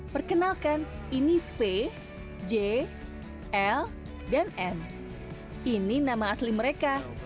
perkenalkan ini v j l dan m ini nama asli mereka